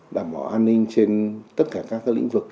đảm bảo an ninh trên tất cả các lĩnh vực